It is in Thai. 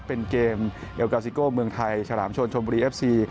เป็นเกมเอลกาซิโก้เมืองไทยฉลามชนชมบุรีเอฟซี